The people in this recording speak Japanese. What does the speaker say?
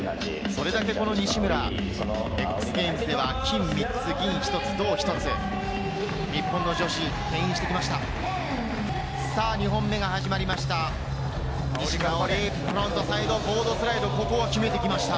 それだけ西村、ＸＧａｍｅｓでは金３つ、銀１つ、銅１つ、日本の女子をけん引してきました。